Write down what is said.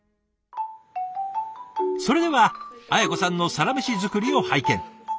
それでは文子さんのサラメシ作りを拝見。